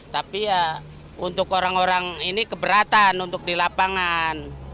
tapi ya untuk orang orang ini keberatan untuk di lapangan